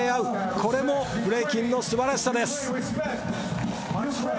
これもブレイキンのすばらしさです。